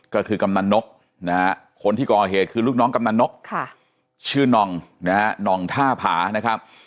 ก็คือกำนันนกนะฮะคนที่ก่อเหตุคือลูกน้องกำนันนกชื่อน่องนะฮะน่องท่าผานะครับ